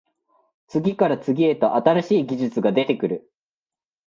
次から次へと新しい技術が出てくる